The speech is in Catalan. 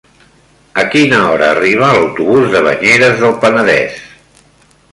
A quina hora arriba l'autobús de Banyeres del Penedès?